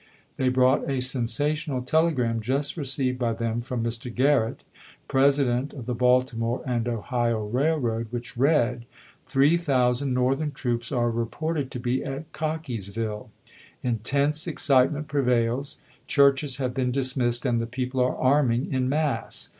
They brought a sen sational telegram just received by them from Mr. Grarrett, president of the Baltimore and Ohio Rail road, which read: "Three thousand Northern troops are reported to be at Cockeysville ; intense excitement prevails ; churches have been dismissed, scharf, and the people are arming in mass.